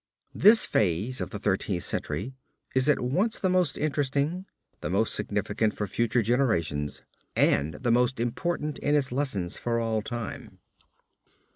This phase of the Thirteenth Century is at once the most interesting, the most significant for future generations, and the most important in its lessons for all time.